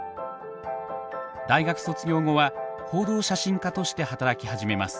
大学卒業後は報道写真家として働き始めます。